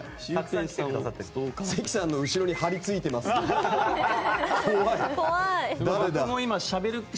関さんの後ろに張り付いてますって。